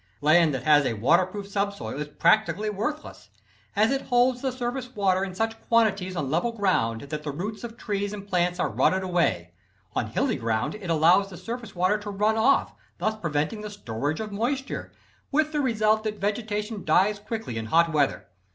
Land that has a waterproof subsoil is practically worthless, as it holds the surface water in such quantities on level ground, that the roots of trees and plants are rotted away; on hilly ground, it allows the surface water to run off, thus preventing the storage of moisture, with the result that vegetation dies quickly in hot weather.